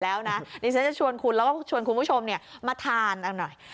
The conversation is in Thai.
แล้วนะดิฉันจะชวนคุณแล้วว่าชวนคุณผู้ชมเนี่ยมาทานอันนั้นหน่อย